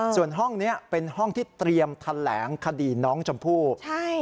ส่วนห้องนี้เป็นห้องที่เตรียมแถลงคดีน้องชมพู่